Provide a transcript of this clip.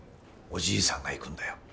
おじいさんが行くんだよ。